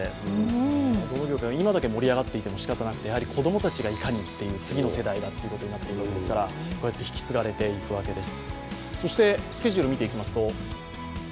今だけ盛り上がっていてもしかたなくて、子供たちがいかにという次の世代がということになってきますから引き継がれていくわけです。